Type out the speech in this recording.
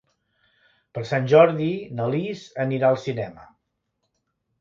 Per Sant Jordi na Lis anirà al cinema.